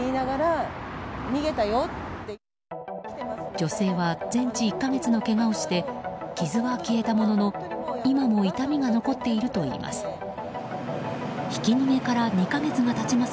女性は全治１か月のけがをして傷は消えたものの今も痛みが残っているといいます。